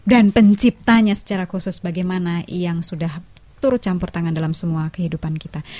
dan penciptanya secara khusus bagaimana yang sudah turut campur tangan dalam semua kehidupan kita